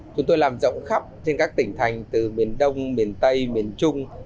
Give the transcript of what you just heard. chúng tôi làm rộng khắp trên các tỉnh thành từ miền đông miền tây miền trung